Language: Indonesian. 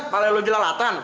malah lo jelalatan